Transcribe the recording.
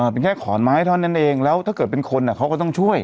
เป็นแค่ขอนไม้เท่านั้นเองแล้วถ้าเกิดเป็นคนเขาก็ต้องช่วย